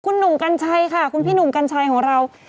คุณหนุ่มกัญชัยค่ะคุณพี่หนุ่มกัญชัยของเรา